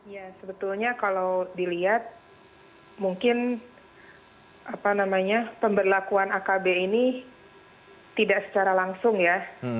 ya sebetulnya kalau dilihat mungkin pemberlakuan akb ini tidak secara langsung ya